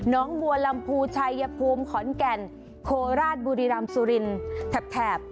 น้องบัวลำพูชัยภูมิขอนแก่นโคราชบุรีรำสุรินแถบ